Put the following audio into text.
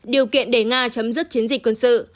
điều kiện để nga chấm dứt chiến dịch quân sự